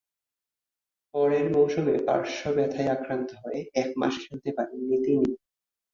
পরের মৌসুমে পার্শ্ব ব্যথায় আক্রান্ত হয়ে এক মাস খেলতে পারেননি তিনি।